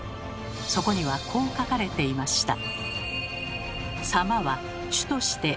そこにはこう書かれていました。